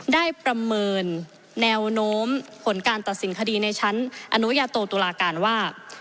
ประเมินแนวโน้มผลการตัดสินคดีในชั้นอนุญาโตตุลาการว่า